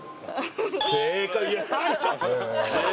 正解。